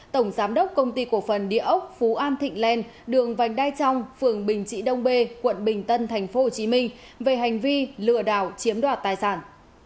tổng giám đốc công ty cổ phần địa ốc phú an thịnh len đường vành đai trong phường bình trị đông bê quận bình tân tp hcm về hành vi lừa đảo chiếm đoạt tài sản